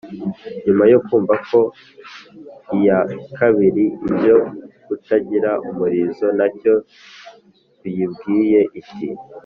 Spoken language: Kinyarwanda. nyuma yo kumva ko iya kabiri ibyo kutagira umurizo nta cyo biyibwiye, iti